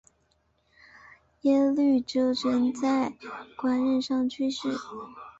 耶律铎轸在官任上去世。